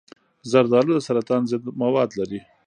زردآلو د سرطان ضد مواد لري.